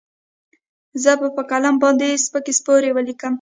زه به په قلم باندې سپکې سپورې وليکم.